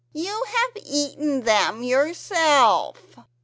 "You have eaten them yourself."